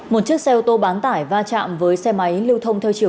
một chiếc xe ô tô bán tải va chạm với xe máy lưu thông theo chiều